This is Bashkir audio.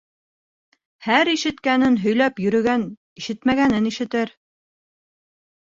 Һәр ишеткәнен һөйләп йөрөгән ишетмәгәнен ишетер.